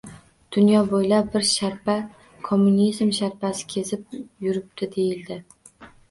Dunyo bo‘ylab bir sharpa — kommunizm sharpasi kezib yurib-di, deyildi.